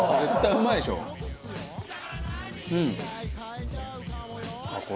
うん。